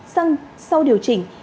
xăng sau điều chỉnh